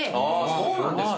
そうなんですか。